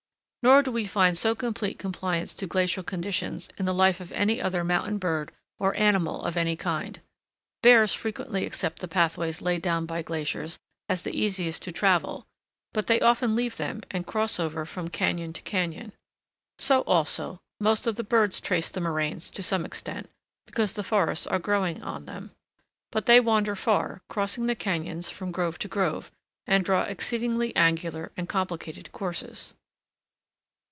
Nor do we find so complete compliance to glacial conditions in the life of any other mountain bird, or animal of any kind. Bears frequently accept the pathways laid down by glaciers as the easiest to travel; but they often leave them and cross over from cañon to cañon. So also, most of the birds trace the moraines to some extent, because the forests are growing on them. But they wander far, crossing the cañons from grove to grove, and draw exceedingly angular and complicated courses.